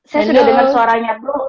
saya sudah dengar suaranya bro